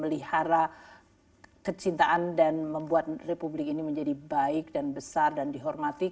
melihara kecintaan dan membuat republik ini menjadi baik dan besar dan dihormati